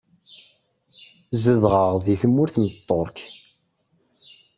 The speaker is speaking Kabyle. Zedɣeɣ di tmurt n Tterk